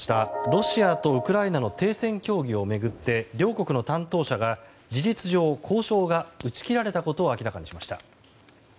ロシアとウクライナの停戦協議を巡って両国の担当者が事実上交渉が打ち切られたことを明らかにしました。